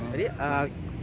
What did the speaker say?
jadi pas lagi